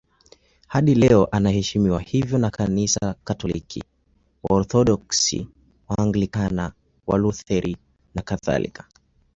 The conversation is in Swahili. Hadi leo anaheshimiwa hivyo na Kanisa Katoliki, Waorthodoksi, Waanglikana, Walutheri nakadhalika.